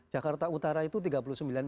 jakarta utara itu tiga puluh sembilan persen